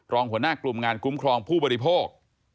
หัวหน้ากลุ่มงานคุ้มครองผู้บริโภค